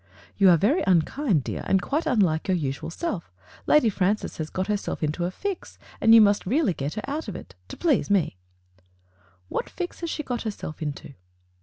"You are very unkind, dear, and quite unlike your usual self. Lady Francis has got herself into a fix, and you must really get her out of it — to please me." "What fix has she got herself into?"